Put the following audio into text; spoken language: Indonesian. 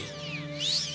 dan aku juga